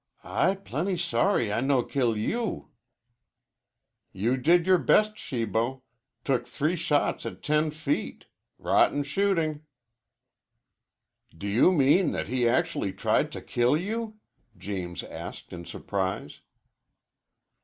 "I plenty sorry I no kill you." "You did your best, Shibo. Took three shots at ten feet. Rotten shooting." "Do you mean that he actually tried to kill you?" James asked in surprise.